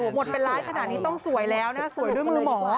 หมดเป็นร้ายขนาดนี้ต้องสวยแล้วนะสวยด้วยมือหมอ